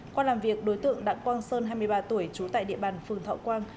qua làm việc đối tượng đặng quang sơn hai mươi ba tuổi trú tại địa bàn phường thọ quang